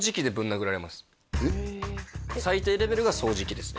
最低レベルが掃除機ですね